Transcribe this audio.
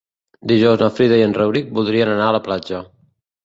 Dijous na Frida i en Rauric voldria anar a la platja.